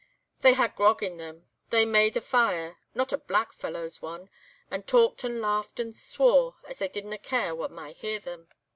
They had grog in them; they made a fire—not a black fellow's one—and talked and laughed and swore, as they didna care wha might hear them.